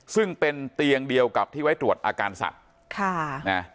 ซึ่งเป็นเตียงเดียวกับที่ไว้ตรวจอาการสัตว์ค่ะนะ